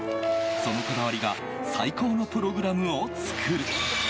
そのこだわりが最高のプログラムを作る。